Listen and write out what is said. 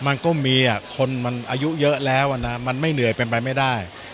มันก็มีคนมันอายุเยอะแล้วนะมันไม่เหนื่อยเป็นไปไม่ได้